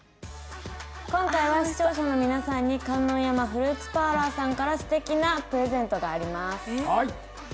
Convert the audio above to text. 今回は視聴者の皆さんに、観音山フルーツパーラーさんからすてきなプレゼントがあります。